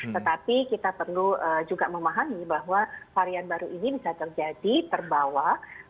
tetapi kita perlu juga memahami bahwa varian baru ini bisa terjadi terbawa